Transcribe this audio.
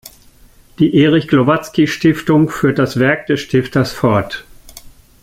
Die "Erich-Glowatzky-Stiftung" führt das Werk des Stifters fort.